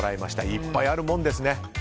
いっぱいあるもんですね。